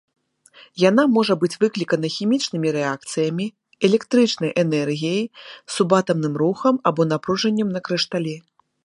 Яна можа быць выклікана хімічнымі рэакцыямі, электрычнай энергіяй, субатамным рухам або напружаннем на крышталі.